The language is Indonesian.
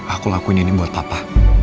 aku lakuin ini buat papa